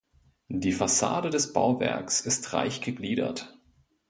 Die Fassade des Bauwerks ist reich gegliedert.